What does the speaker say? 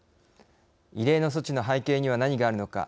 異例の措置の背景には何があるのか。